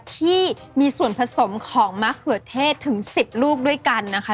ที่มีส่วนผสมของมะเขือเทศถึง๑๐ลูกด้วยกันนะคะ